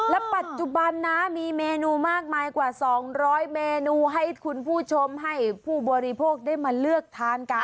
และปัจจุบันนะมีเมนูมากมายกว่า๒๐๐เมนูให้คุณผู้ชมให้ผู้บริโภคได้มาเลือกทานกัน